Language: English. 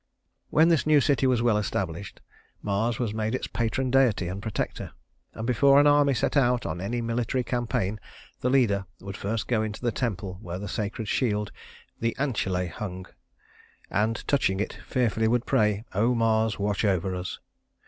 When this new city was well established, Mars was made its patron deity and protector; and before an army set out on any military campaign the leader would first go into the temple where the sacred shield the Ancile hung; and touching it fearfully would pray, "Oh, Mars, watch over us."